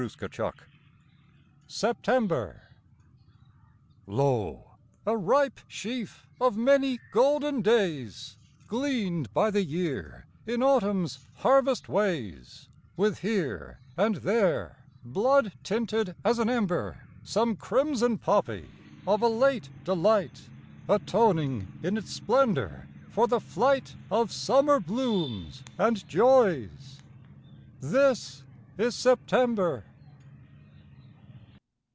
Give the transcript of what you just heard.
69 SEPTEMBER Lo! a ripe sheaf of many golden days Gleaned by the year in autumn's harvest ways, With here and there, blood tinted as an ember, Some crimson poppy of a late delight Atoning in its splendor for the flight Of summer blooms and joys — This is September.